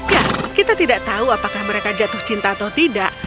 ya kita tidak tahu apakah mereka jatuh cinta atau tidak